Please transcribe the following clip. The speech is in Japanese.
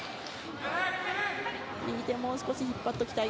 右手をもう少し引っ張っておきたい。